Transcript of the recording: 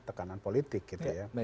tekanan politik gitu ya